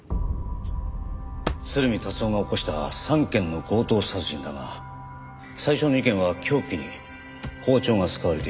鶴見達男が起こした３件の強盗殺人だが最初の２件は凶器に包丁が使われている。